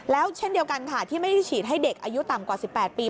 แล้วเช่นเดียวกันค่ะที่ไม่ได้ฉีดให้เด็กอายุต่ำกว่า๑๘ปี